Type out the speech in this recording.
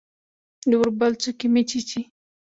د اوربل څوکې مې چیچي